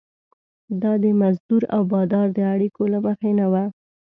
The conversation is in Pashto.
دا د مزدور او بادار د اړیکو له مخې نه وه.